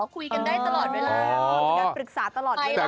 คุยกันได้ตลอดเวลามีการปรึกษาตลอดเวลา